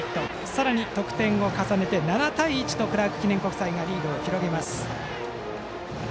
さらに得点を重ねて７対１とクラーク記念国際がリードを広げます。